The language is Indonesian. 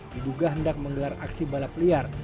diduga hendak menggelar aksi balap liar